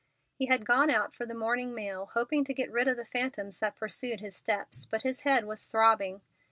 He had gone out for the morning mail, hoping to get rid of the phantoms that pursued his steps, but his head was throbbing.